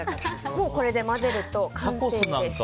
もうこれで混ぜると完成です。